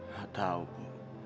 saya tahu ibu